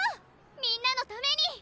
みんなのために。